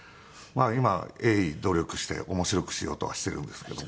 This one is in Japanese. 今鋭意努力して面白くしようとはしているんですけども。